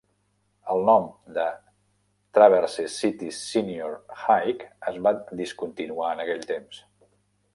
El nom de Traverse City Senior High es va discontinuar en aquell temps.